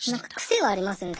癖はありますよね。